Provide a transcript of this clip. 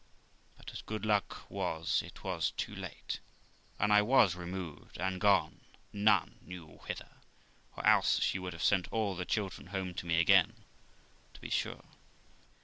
But, as good luck was, it was too late, and I was removed, and gone, none knew whither, or else she would have sent all the children home to me again, to be sure.